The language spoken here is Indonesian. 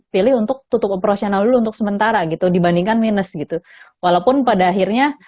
pilih untuk tutup operasional dulu untuk sementara gitu dibandingkan minus gitu walaupun pada akhirnya